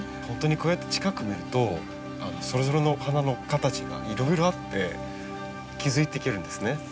ほんとにこうやって近くで見るとそれぞれの花の形がいろいろあって気付いていけるんですね。